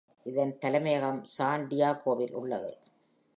இதன் தலைமையகம் சான் டியாகோவில் உள்ளது.